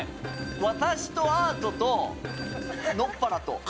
『私とアートと野っ原と』。